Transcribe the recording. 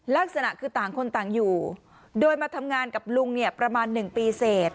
ลักษณะคือต่างคนต่างอยู่โดยมาทำงานกับลุงเนี่ยประมาณ๑ปีเสร็จ